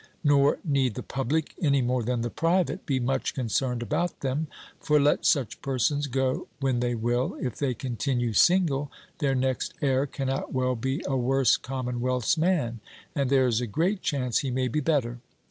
Nor need the public, any more than the private, be much concerned about them; for let such persons go when they will, if they continue single, their next heir cannot well be a worse commonwealth's man; and there is a great chance he may be better.